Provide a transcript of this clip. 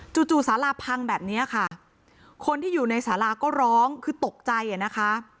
จู่สาราพังแบบนี้ค่ะคนที่อยู่ในสาราก็ร้องคือตกใจอ่ะนะคะ